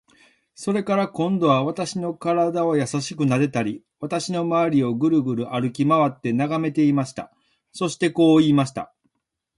それから、今度は私の身体をやさしくなでたり、私のまわりをぐるぐる歩きまわって眺めていました。そしてこう言いました。